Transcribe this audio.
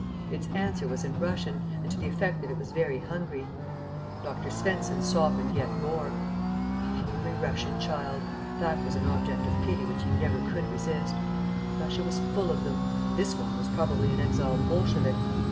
Its answer was in Russian, and to the effect that it was very hungry. Dr. Svensen softened yet more. A hungry Russian child! That was an object of pity which he never could resist. Russia was full of them; this one was probably an exiled Bolshevik.